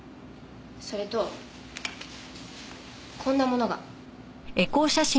それとこんなものが。